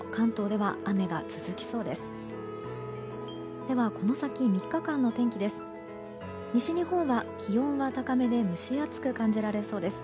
では、この先３日間の天気です。